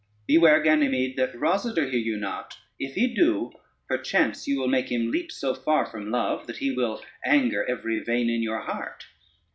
Beware, Ganymede, that Rosader hear you not, if he do, perchance you will make him leap so far from love, that he will anger every vein in your heart."